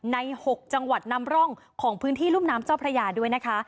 ๖จังหวัดนำร่องของพื้นที่รุ่มน้ำเจ้าพระยาด้วยนะคะ